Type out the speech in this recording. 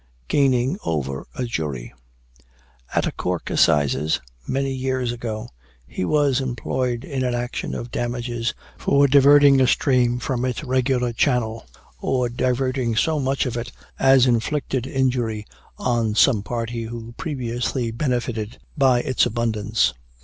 GAINING OVER A JURY. At a Cork Assizes, many years ago, he was employed in an action of damages, for diverting a stream from its regular channel, or diverting so much of it as inflicted injury on some party who previously benefited by its abundance.